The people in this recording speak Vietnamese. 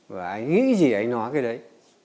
và anh nghĩ cái gì anh nói cái đấy